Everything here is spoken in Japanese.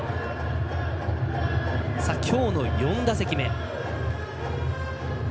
きょうの４打席目。